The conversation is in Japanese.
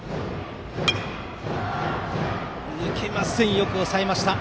よく抑えました。